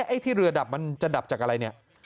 ไอ้ที่เรือดับมันจะดับจากอะไรเนี่ย